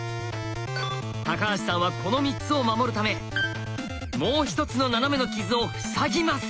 橋さんはこの３つを守るためもう一つのナナメの傷を塞ぎます。